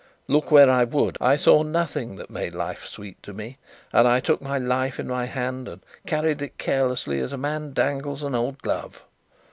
Look where I would, I saw nothing that made life sweet to me, and I took my life in my hand and carried it carelessly as a man dangles an old glove.